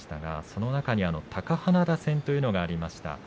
その中で貴花田戦というのがありました。